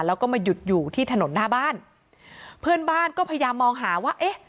แล้วก็มาหยุดอยู่ที่ถนนหน้าบ้านเพื่อนบ้านก็พยายามมองหาว่าเอ๊ะ